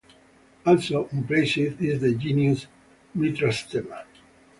Also unplaced is the genus "Mitrastema".